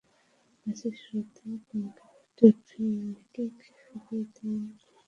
ম্যাচের শুরুতেই হাল্কের একটি ফ্রি-কিক ফিরিয়ে দেন কোস্টারিকার গোলরক্ষক প্যাট্রিক পেমবার্টন।